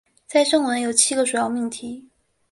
在正文中有七个主要命题。